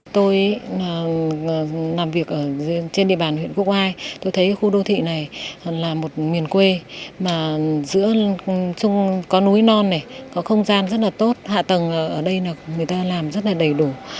tôi làm việc trên địa bàn huyện quốc oai tôi thấy khu đô thị này là một miền quê mà có núi non này có không gian rất là tốt hạ tầng ở đây người ta làm rất là đầy đủ